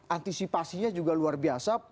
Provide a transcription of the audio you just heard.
antisipasinya juga luar biasa